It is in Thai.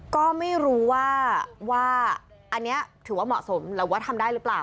ก็ไม่รู้ว่าอันนี้ถือว่าเหมาะสมหรือว่าทำได้หรือเปล่า